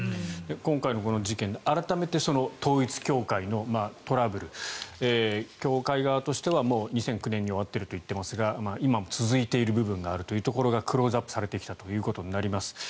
今回の事件で改めて統一教会のトラブル教会側としては２００９年に終わっていると言っていますが今も続いている部分があるというところがクローズアップされてきたということになります。